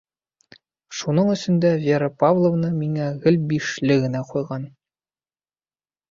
Шуның өсөн дә Вера Павловна миңә гел «бишле» генә ҡуйған.